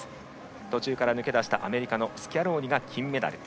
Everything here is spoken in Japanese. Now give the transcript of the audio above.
途中から抜け出したアメリカのスキャローニが金メダル。